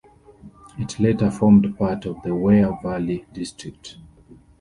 It later formed part of the Wear Valley district.